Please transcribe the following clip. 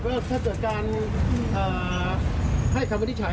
ก็แสดงจะเกิดการให้คำว่างดิฉัย